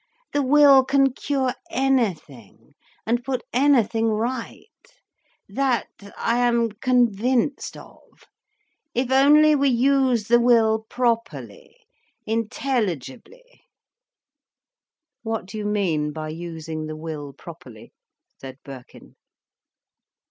The will can cure anything, and put anything right. That I am convinced of—if only we use the will properly, intelligibly." "What do you mean by using the will properly?" said Birkin.